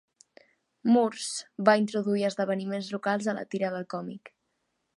Moores va introduir esdeveniments locals a la tira de còmic.